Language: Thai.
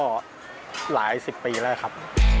ก็หลายสิบปีแล้วครับ